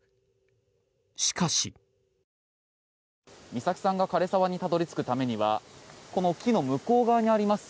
美咲さんが枯れ沢にたどり着くためにはこの木の向こう側にあります